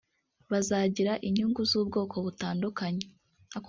bazagira inyungu z’ubwoko butandukanye